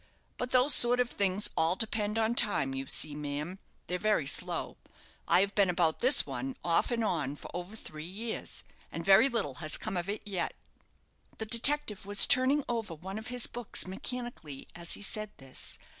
But those sort of things all depend on time, you see, ma'am. They're very slow. I have been about this one, off and on, for over three years; and very little has come of it yet." The detective was turning over one of his books mechanically as he said this.